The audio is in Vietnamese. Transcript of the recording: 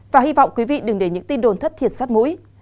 và hy vọng quý vị đừng để những tin đồn thất thiệt sát mũi